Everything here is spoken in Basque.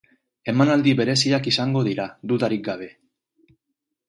Emanaldi bereziak izango dira, dudarik gabe.